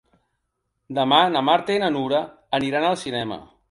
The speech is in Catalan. Demà na Marta i na Nura aniran al cinema.